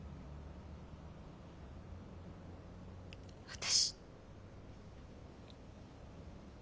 私。